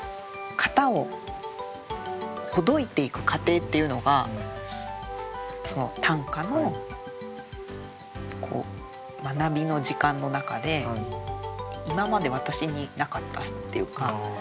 型をほどいていく過程っていうのが短歌の学びの時間の中で今まで私になかったっていうか。